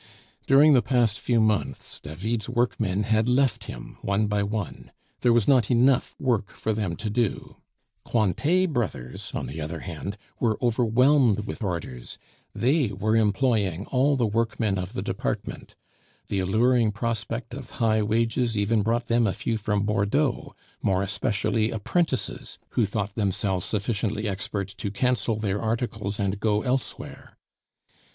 During the past few months David's workmen had left him one by one; there was not enough work for them to do. Cointet Brothers, on the other hand, were overwhelmed with orders; they were employing all the workmen of the department; the alluring prospect of high wages even brought them a few from Bordeaux, more especially apprentices, who thought themselves sufficiently expert to cancel their articles and go elsewhere.